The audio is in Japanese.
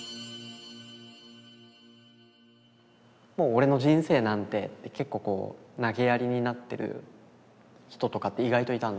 「もう俺の人生なんて」って結構こうなげやりになってる人とかって意外といたんですよね。